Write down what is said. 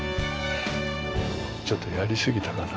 ちょっとやりすぎたかな。